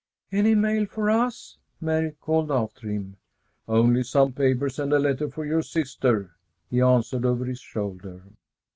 "Any mail for us?" Mary called after him. "Only some papers and a letter for your sister," he answered over his shoulder.